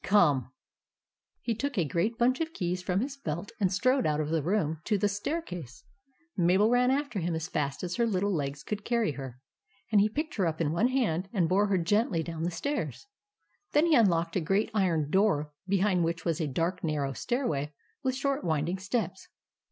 COME !" He took a great bunch of keys from his belt, and strode out of the room to the staircase. Mabel ran after him as fast as her little legs could carry her ; and he picked her up in one hand, and bore her gently down the stairs. Then he unlocked a great iron door behind which was a dark, narrow stairway with short winding steps.